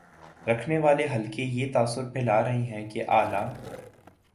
رکھنے والے حلقے یہ تاثر پھیلا رہے ہیں کہ اعلی